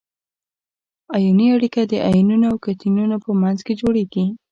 ایوني اړیکه د انیونونو او کتیونونو په منځ کې جوړیږي.